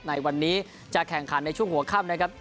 ในวันนี้จะแข่งขันในช่วงหัวค่ำนะครับ